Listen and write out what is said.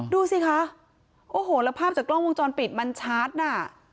ดูสิคะโอ้โหแล้วภาพจากกล้องวงจรปิดมันชัดน่ะ